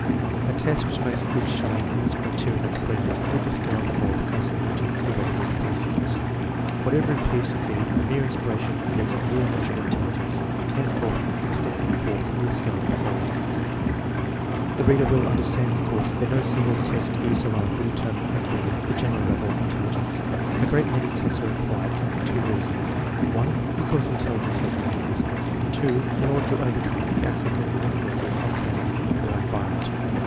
A test which makes a good showing on this criterion of agreement with the scale as a whole becomes immune to theoretical criticisms. Whatever it appears to be from mere inspection, it is a real measure of intelligence. Hence forth it stands or falls with the scale as a whole. The reader will understand, of course, that no single test used alone will determine accurately the general level of intelligence. A great many tests are required; and for two reasons: (1) because intelligence has many aspects; and () in order to overcome the accidental influences of training or environment.